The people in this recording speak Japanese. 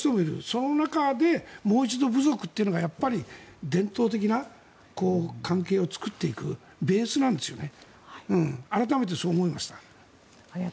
その中でもう一度部族というのは伝統的な関係を作っていくベースなんですよね。